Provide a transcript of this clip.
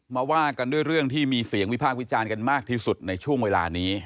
ว่ากันด้วยเรื่องที่มีเสียงวิพากษ์วิจารณ์กันมากที่สุดในช่วงเวลานี้